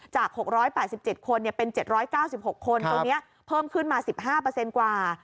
จาก๖๘๗คนเป็น๗๙๖คนตัวนี้เพิ่มขึ้นมา๑๕เปอร์เซ็นต์กว่า